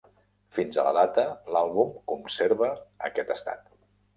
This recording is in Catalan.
Fins a la data, l'àlbum conserva aquest estat.